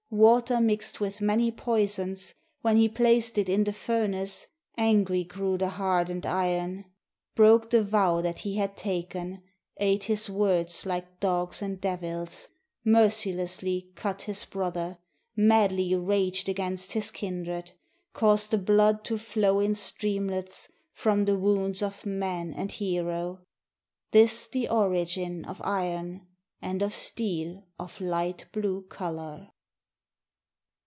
Water mixed with many poisons. When he placed it in the furnace, Angry grew the hardened iron, 12 STORY OF IRON AND THE POISON WATER Broke the vow that he had taken, Ate his words like dogs and devils, Mercilessly cut his brother, Madly raged against his kindred. Caused the blood to flow in streamlets From the wounds of man and hero. This, the origin of iron. And of steel of light blue color.